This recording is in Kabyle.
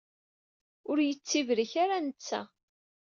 Ur yettttibrik ara, netttta.